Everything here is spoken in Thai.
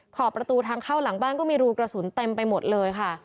ขอบประตูทางเข้าหลังบ้านก็มีรูกระสุนเต็มไปหมดเลยค่ะ